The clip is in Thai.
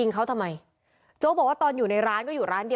พวกมันต้องกินกันพี่